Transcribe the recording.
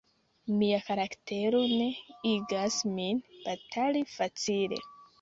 Mia karaktero ne igas min batali facile.